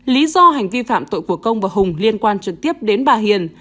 lý do hành vi phạm tội của công và hùng liên quan trực tiếp đến bà hiền